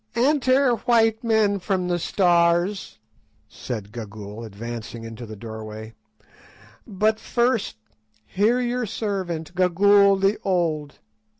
"Enter, white men from the Stars," said Gagool, advancing into the doorway; "but first hear your servant, Gagool the old.